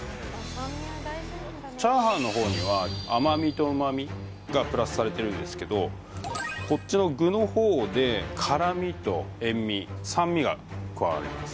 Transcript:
炒飯の方には甘味と旨味がプラスされてるんですけどこっちの具の方で辛みと塩味酸味が加わります